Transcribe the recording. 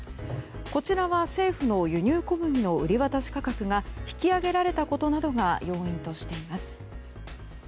こちらは政府の輸入小麦の売り渡し価格が引き上げられたことなどが要因としています。